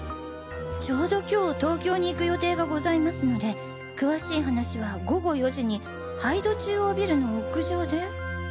「丁度今日東京に行く予定がございますので詳しい話は午後４時に杯戸中央ビルの屋上で」。